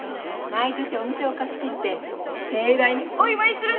毎年お店を貸し切って盛大にお祝いするんです！